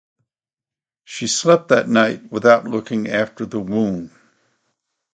She slept that night without looking after the wound.